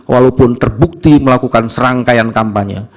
walaupun terbukti melakukan serangkaian kampanye